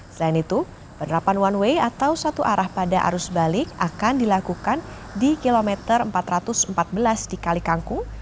selain itu penerapan one way atau satu arah pada arus balik akan dilakukan di kilometer empat ratus empat belas di kalikangkung